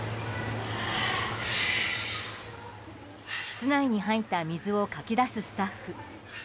室内に入った水をかき出すスタッフ。